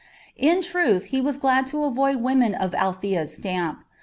In truth, he was glad to avoid women of Althea's stamp.